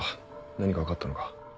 何か分かったのか？